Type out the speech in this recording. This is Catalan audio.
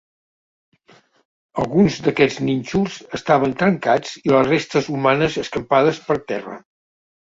Alguns d'aquests nínxols estaven trencats i les restes humanes escampades per terra.